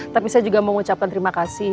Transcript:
tapi saya juga mengucapkan terima kasih